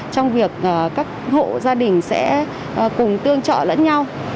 trong việc các hộ gia đình sẽ cùng tương trợ lẫn nhau